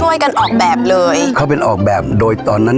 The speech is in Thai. กันออกแบบเลยเขาเป็นออกแบบโดยตอนนั้น